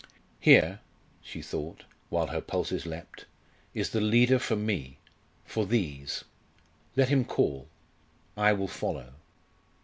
"Here," she thought, while her pulses leapt, "is the leader for me for these. Let him call, I will follow."